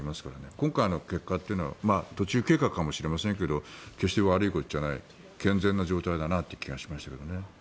今回の結果というのは途中経過かもしれませんが決して悪いことじゃない健全な状態だなという気がしましたけどね。